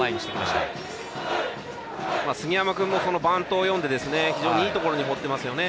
杉山君もバントを読んで非常にいいところに放ってますよね。